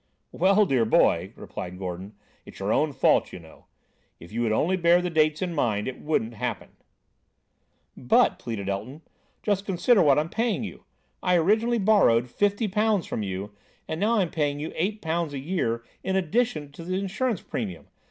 "Well, dear boy," replied Gordon, "it's your own fault, you know. If you would only bear the dates in mind, it wouldn't happen." "But," pleaded Elton, "just consider what I'm paying you. I originally borrowed fifty pounds from you, and I'm now paying you eighty pounds a year in addition to the insurance premium.